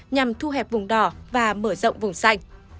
nhằm thu hẹp vùng đỏ và mở rộng vùng xanh